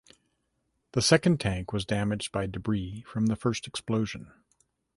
The second tank was damaged by debris from the first explosion.